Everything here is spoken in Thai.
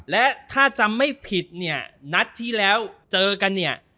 และถ้าจำไม่ผิดเนี่ยนัดที่แล้วเจอกันเนี่ย